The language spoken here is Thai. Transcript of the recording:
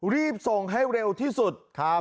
รีบส่งให้เร็วที่สุด